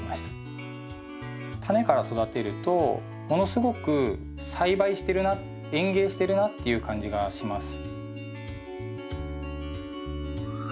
タネから育てるとものすごく栽培してるな園芸してるなっていう感じがします。